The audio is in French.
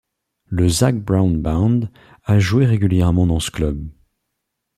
Le Zac Brown Band a joué régulièrement dans ce club.